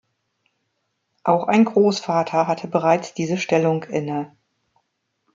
Auch ein Großvater hatte bereits diese Stellung inne.